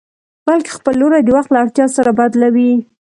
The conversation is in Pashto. بلکې خپل لوری د وخت له اړتيا سره بدلوي.